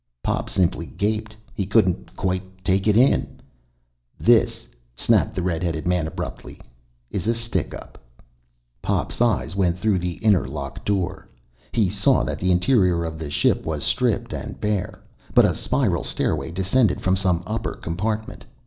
Pop simply gaped. He couldn't quite take it in. "This," snapped the red headed man abruptly, "is a stickup!" Pop's eyes went through the inner lock door. He saw that the interior of the ship was stripped and bare. But a spiral stairway descended from some upper compartment.